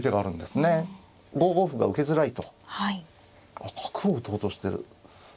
あっ角を打とうとしてる。